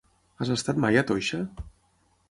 Has estat mai a Toixa?